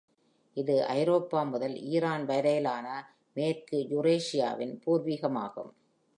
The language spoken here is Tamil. இது ஐரோப்பா முதல் ஈரான் வரையிலான, மேற்கு யூரேசியாவின் பூர்வீகமாகும்.